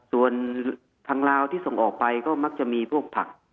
ส่วนทางลาวที่ส่งออกไปก็มักจะมีพวกผัก